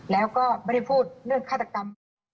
แล้วก็ไม่ได้พูดเรื่องฆาตกรรม